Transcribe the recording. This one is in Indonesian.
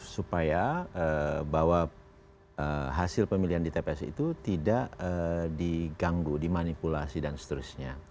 supaya bahwa hasil pemilihan di tps itu tidak diganggu dimanipulasi dan seterusnya